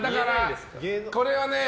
これはね